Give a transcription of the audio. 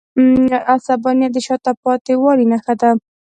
عصبانیت د شاته پاتې والي نښه ده.